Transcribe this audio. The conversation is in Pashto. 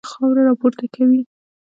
باد ځینې وخت خاوره راپورته کوي